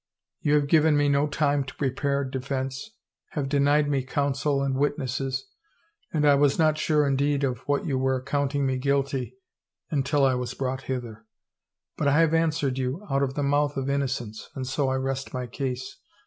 " You have given me no time to prepare defense, have denied me counsel and wit nesses, and I was not sure indeed of what you were ac counting me guilty until I was brought hither, but I have answered you out of the mouth of innocence, and so I rest my case.